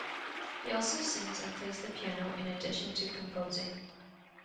He also sings and plays the piano in addition to composing.